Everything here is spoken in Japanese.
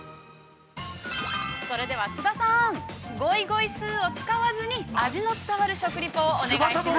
◆それでは津田さん、ゴイゴイスーを使わずに、味の伝わる食リポをお願いします。